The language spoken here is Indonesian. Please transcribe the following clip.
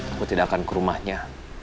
aku tidak akan ke rumahnya